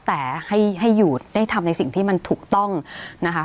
แต่ให้อยู่ได้ทำในสิ่งที่มันถูกต้องนะคะ